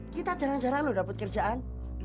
kita jarang jarang lho dapet kerjaan